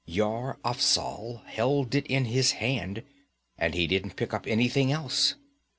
Yar Afzal held it in his hand, and he didn't pick up anything else.